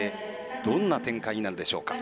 どんな展開になるでしょうか。